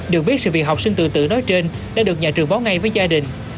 được biết sự việc học sinh tự tử nói trên đã được nhà trường báo ngay với gia đình